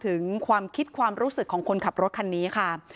ถึงความคิดความรู้สึกของคนขับรถคันนี้ค่ะ